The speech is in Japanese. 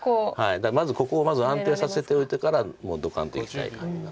だからここをまず安定させておいてからもうドカンといきたい感じなんですけど。